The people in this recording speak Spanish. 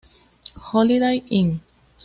Holiday Inn